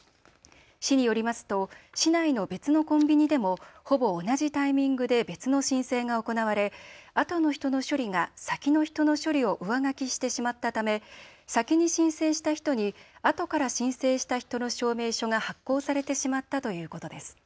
市によりますと市内の別のコンビニでもほぼ同じタイミングで別の申請が行われ、あとの人の処理が先の人の処理を上書きしてしまったため先に申請した人にあとから申請した人の証明書が発行されてしまったということです。